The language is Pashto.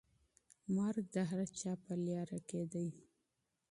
مرګ د هر چا په لاره کي دی.